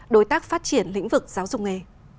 đối tác phát triển lĩnh vực giáo dục nghề